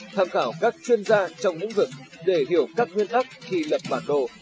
tham khảo các chuyên gia trong ứng vực để hiểu các nguyên ấp khi lập bản đồ